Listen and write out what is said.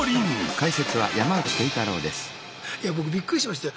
いや僕びっくりしましたよ。